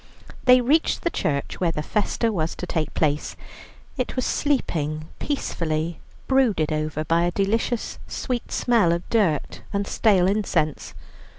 They reached the church where the festa was to take place. It was sleeping peacefully, brooded over by a delicious, sweet smell of dirt and stale incense.